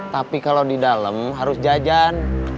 tapi kalau di dalam harus jajan